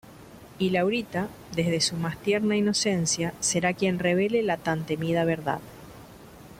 Y Laurita, desde su más tierna inocencia, será quien revele la tan temida verdad.